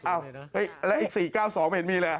เอ้าแล้วอีก๔๙๒เห็นมีเลย